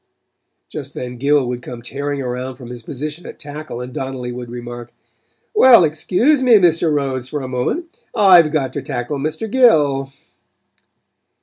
Just then Gill would come tearing around from his position at tackle and Donnelly would remark: "Well, excuse me, Mr. Rhodes, for a moment, I've got to tackle Mr. Gill."